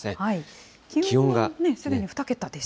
気温もすでに２桁です。